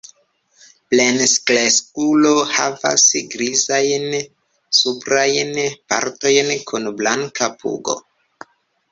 Plenkreskulo havas grizajn suprajn partojn kun blanka pugo.